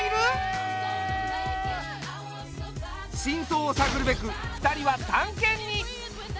真相を探るべく２人は探検に！